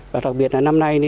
và đặc biệt là năm nay